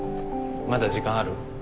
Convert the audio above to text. まだ時間ある？